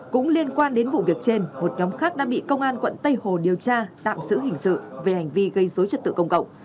cũng liên quan đến vụ việc trên một nhóm khác đã bị công an quận tây hồ điều tra tạm giữ hình sự về hành vi gây dối trật tự công cộng